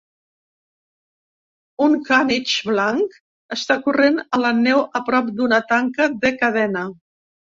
Un canitx blanc està corrent a la neu a prop d'una tanca de cadena.